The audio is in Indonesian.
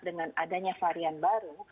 dengan adanya varian baru